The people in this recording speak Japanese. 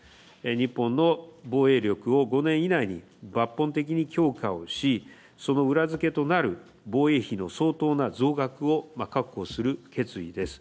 日本の防衛力を５年以内に抜本的に強化をしその裏付けとなる防衛費の相当な増額を確保する決意です。